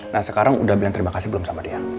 nah sekarang udah bilang terima kasih belum sama dia